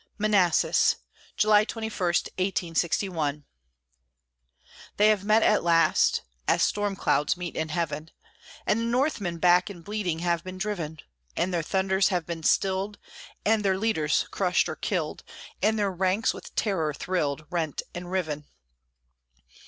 MANASSAS [July 21, 1861] They have met at last as storm clouds Meet in heaven, And the Northmen back and bleeding Have been driven; And their thunders have been stilled, And their leaders crushed or killed, And their ranks with terror thrilled, Rent and riven!